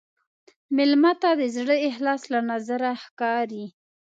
مېلمه ته د زړه اخلاص له نظره ښکاري.